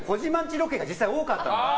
ロケが実際に多かったのよ。